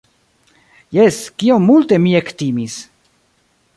Jes, kiom multe mi ektimis!